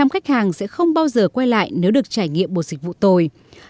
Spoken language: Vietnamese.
chín mươi một khách hàng sẽ không bao giờ quay lại nếu được trải nghiệm một dịch vụ tồi